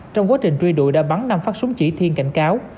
trong quá trình truy đuổi đã bắn năm phát súng chỉ thiên cảnh cáo